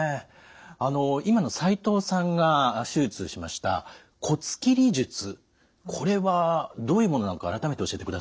今の齋藤さんが手術しました骨切り術これはどういうものなのか改めて教えてください。